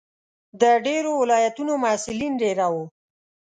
د ډېرو ولایتونو محصلین دېره وو.